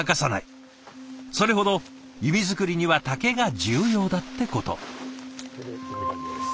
それほど弓作りには竹が重要だってこと。